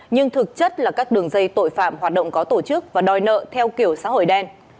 nhưng thực chất là các đường dây tội phạm hoạt động có tổ chức và đòi nợ theo kiểu xã hội đen